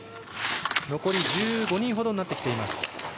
残り１５人ほどになっています。